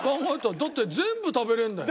だって全部食べれるんだよ！